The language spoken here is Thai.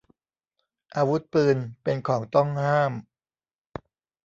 อาวุธปืน เป็นของต้องห้าม